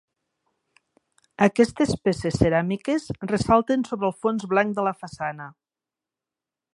Aquestes peces ceràmiques ressalten sobre el fons blanc de la façana.